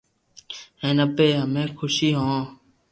ھين اپي ھمي خوس ھون